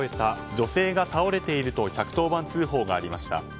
女性が倒れていると１１０番通報がありました。